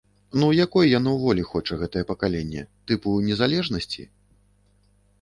Ну якой яно волі хоча, гэтае пакаленне, тыпу незалежнасці?